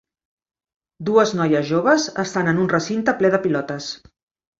Dues noies joves estan en un recinte ple de pilotes.